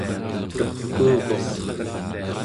tukuuguq